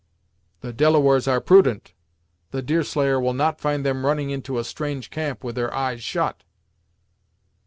"The Delawares are prudent. The Deerslayer will not find them running into a strange camp with their eyes shut."